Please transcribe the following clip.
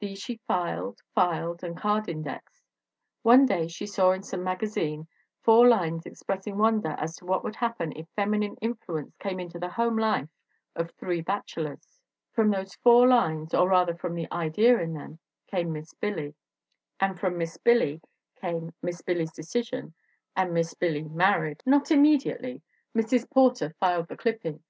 These she filed, filed and card indexed. One day she saw in some magazine four lines expressing wonder as to what would happen if feminine in fluence came into the home life of three bachelors. From those four lines, or rather, from the idea in them, came Miss Billy; and from Miss Billy came Miss Billy f s Decision and Miss Billy Married. Not im mediately; Mrs. Porter filed the clipping.